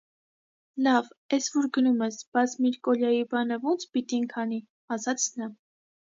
- Լավ, էս վուր գնում ես, բաս միր Կոլյայի բա՞նը վունց պիտինք անի,- ասաց նա: